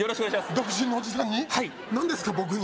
独身のおじさんに？